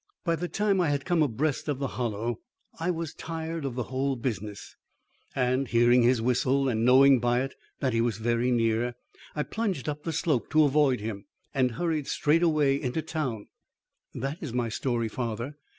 By the time I had come abreast of the Hollow, I was tired of the whole business, and hearing his whistle and knowing by it that he was very near, I plunged up the slope to avoid him, and hurried straight away into town. That is my story, father.